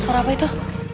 suara apa itu